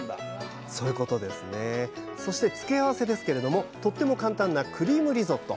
そして付け合わせですけれどもとっても簡単なクリームリゾット